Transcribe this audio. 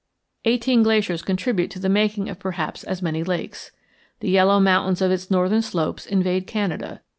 Eighteen glaciers contribute to the making of perhaps as many lakes. The yellow mountains of its northern slopes invade Canada.